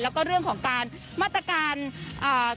แล้วก็เรื่องของการมาตรการอ่า